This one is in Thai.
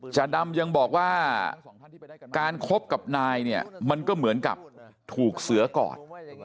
จาดำยังบอกว่าการคบกับนายเนี่ยมันก็เหมือนกับถูกเสือกอด